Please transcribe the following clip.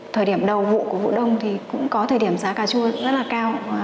thời điểm đầu vụ của vụ đông thì cũng có thời điểm giá cà chua rất là cao